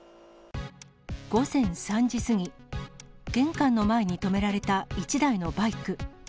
午前３時過ぎ、玄関の前に止められた一台のバイク。